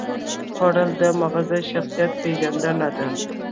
خولۍ د معزز شخصیت پېژندنه ده.